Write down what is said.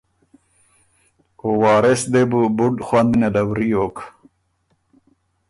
او وارث دې بُو بُډ خوَند نېله وریوک۔